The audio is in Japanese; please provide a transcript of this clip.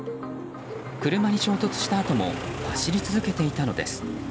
車に衝突したあとも走り続けていたのです。